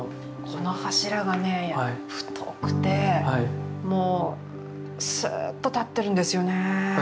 この柱がね太くてもうスーッと立ってるんですよね。